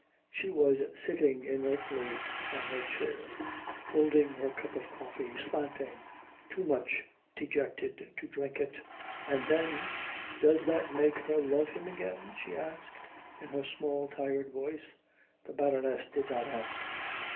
She was sitting inertly on her chair, holding her cup of coffee slanting, too much dejected to drink it. "And then does that make her love him again?" she asked, in her small tired voice. The Baroness did not answer.